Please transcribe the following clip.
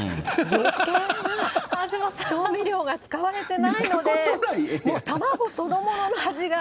よけいな調味料が使われていないので、卵そのものの味が。